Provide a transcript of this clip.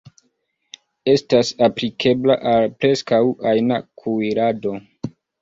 Estas aplikebla al preskaŭ ajna kuirado.